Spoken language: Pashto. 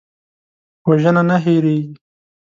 وژنه نه هېریږي